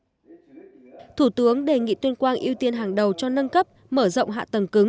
phát biểu tại buổi làm việc thủ tướng nguyễn xuân phúc nhấn mạnh du lịch nông nghiệp công nghệ cao nhất là gỗ rừng trồng là lối ra cho tuyên quang